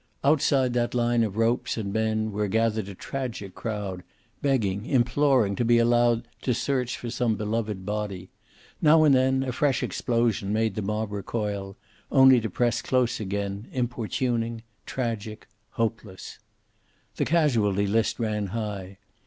Outside that line of ropes and men were gathered a tragic crowd, begging, imploring to be allowed through to search for some beloved body. Now and then a fresh explosion made the mob recoil, only to press close again, importuning, tragic, hopeless. The casualty list ran high.